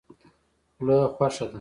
خوله خوښه ده.